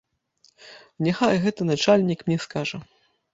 Няхай гэты начальнік мне скажа.